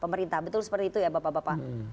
pemerintah betul seperti itu ya bapak bapak